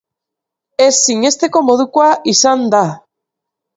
Ez sinesteko modukoa izan da.